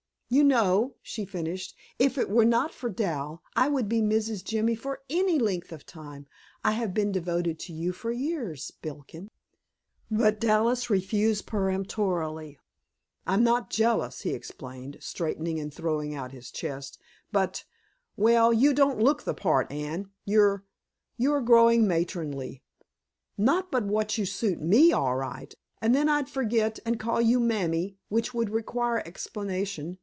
"You know," she finished, "if it were not for Dal, I would be Mrs. Jimmy for ANY length of time. I have been devoted to you for years, Billiken." But Dallas refused peremptorily. "I'm not jealous," he explained, straightening and throwing out his chest, "but well, you don't look the part, Anne. You're you are growing matronly, not but what you suit ME all right. And then I'd forget and call you 'mammy,' which would require explanation.